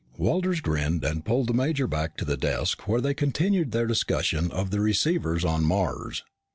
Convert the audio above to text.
Walters grinned and pulled the major back to the desk where they continued their discussion of the receivers on Mars.